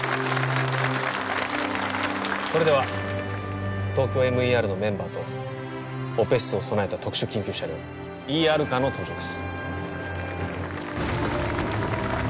それではＴＯＫＹＯＭＥＲのメンバーとオペ室を備えた特殊緊急車両ＥＲカーの登場です